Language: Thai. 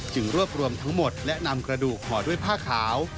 รวบรวมทั้งหมดและนำกระดูกห่อด้วยผ้าขาว